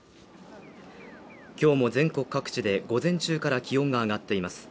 今日も全国各地で午前中から気温が上がっています